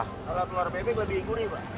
kalau telur bebek lebih gurih pak